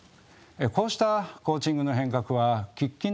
こうしたコーチングの変革は喫緊の課題です。